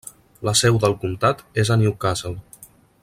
La seu del comtat és a Newcastle.